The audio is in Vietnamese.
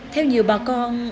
theo nhiều bà con